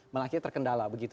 melakukannya terkendala begitu